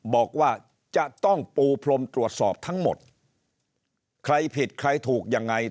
บอกว่าจะต้องปูพรมตรวจสอบทั้งหมดใครผิดใครถูกยังไง